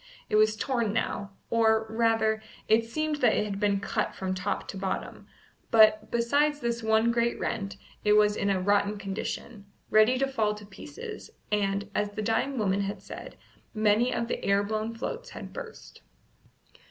It was torn now, or, rather, it seemed that it had been cut from top to bottom; but, besides this one great rent, it was in a rotten condition, ready to fall to pieces, and, as the dying woman had said, many of the air blown floats had burst.